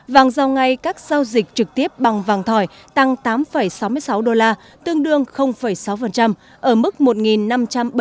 vàng giao ngay các giao dịch trực tiếp bằng vàng thỏi tăng tám sáu mươi sáu usd tương đương sáu ở mức một năm trăm bảy mươi năm chín mươi usd một ounce